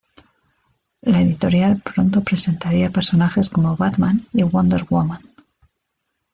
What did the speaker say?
La editorial pronto presentaría personajes como Batman y Wonder Woman.